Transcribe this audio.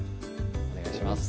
お願いします